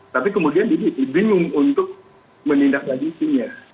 tapi kemudian dihitung untuk menindak lagi sinya